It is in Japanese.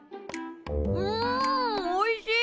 んおいしい！